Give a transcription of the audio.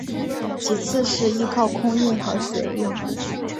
其次是依靠空运和水运。